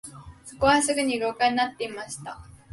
そこはすぐ廊下になっていました